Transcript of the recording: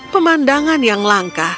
pemandangan yang langka